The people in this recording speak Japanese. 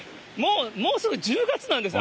もうすぐ１０月なんですね。